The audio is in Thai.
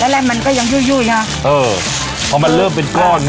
แล้วแรงมันก็ยังยู่ยู่อย่างนี้ฮะเออพอมันเริ่มเป็นก้อน